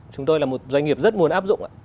chúng tôi là một doanh nghiệp rất muốn áp dụng ạ